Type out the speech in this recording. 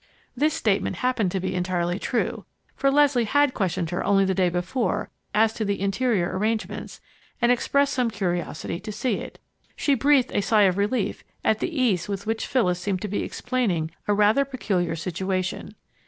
This statement happened to be entirely true, for Leslie had questioned her only the day before as to the interior arrangements and expressed some curiosity to see it. She breathed a sigh of relief at the ease with which Phyllis seemed to be explaining a rather peculiar situation.